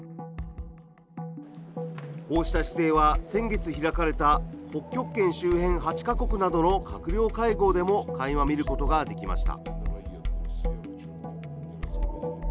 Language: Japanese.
こうした姿勢は、先月開かれた北極圏周辺８か国などの閣僚会合でもかいま見ることができました。